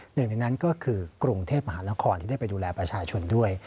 หนึ่งในนั้นก็คือกรุงเทพมหานครที่ได้ไปดูแลประชาชนด้วย